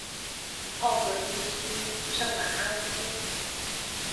奥格地区圣瓦阿斯。